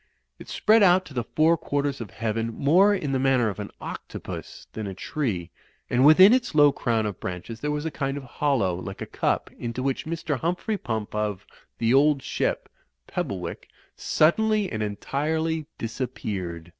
It spread out to the four quarters of heaven more in the manner of an octopus than a tree, and within its low crown of branches there was a kind of hollow, like a cup, into which Mr. Humphrey Pump, of "The Old Ship," Pebblewick, suddenly and entirely dis appeared.